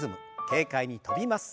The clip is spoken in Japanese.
軽快に跳びます。